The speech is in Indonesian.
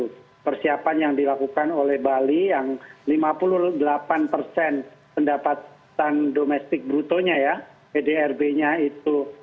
jadi itu persiapan yang dilakukan oleh bali yang lima puluh delapan persen pendapatan domestik brutonya ya edrb nya itu